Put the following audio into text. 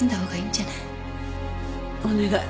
お願い。